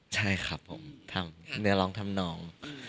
ใช่ครับผมทำเนื้อร้องทำนอง